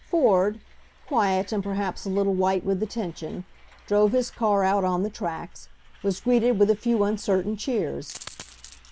Ford, quiet and perhaps a little white with the tension, drove his car out on the tracks, was greeted with a few uncertain cheers.